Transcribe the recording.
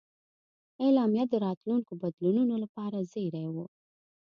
اعلامیه د راتلونکو بدلونونو لپاره زېری و.